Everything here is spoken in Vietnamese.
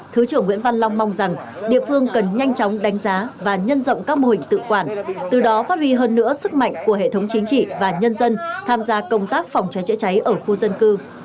thứ trưởng nguyễn văn long mong rằng địa phương cần nhanh chóng đánh giá và nhân rộng các mô hình tự quản từ đó phát huy hơn nữa sức mạnh của hệ thống chính trị và nhân dân tham gia công tác phòng cháy chữa cháy ở khu dân cư